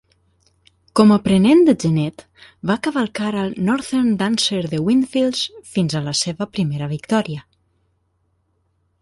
Com aprenent de genet, va cavalcar al Northern Dancer de Windfields fins a la seva primera victòria.